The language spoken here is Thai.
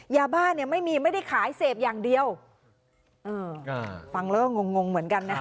ยาบ้าเนี่ยไม่มีไม่ได้ขายเสพอย่างเดียวเอออ่าฟังแล้วก็งงงเหมือนกันนะ